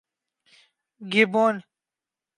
گیبون